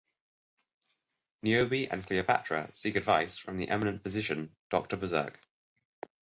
Niobe and Cleopatra seek advice from the eminent physician Dr Berserk.